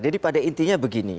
jadi pada intinya begini